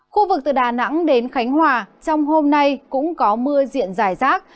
khu vực từ đà nẵng đến khánh hòa trong hôm nay cũng có mưa diện dài rác